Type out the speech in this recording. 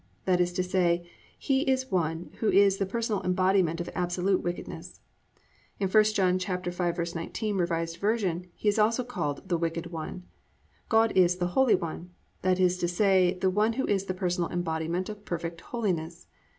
That is to say, he is one who is the personal embodiment of absolute wickedness. In I John 5:19 R. V. also he is called "The Wicked One." God is "The Holy One," that is to say the One who is the personal embodiment of perfect holiness.